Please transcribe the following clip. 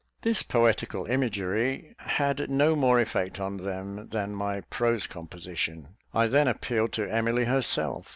This poetical imagery had no more effect on them, than my prose composition. I then appealed to Emily herself.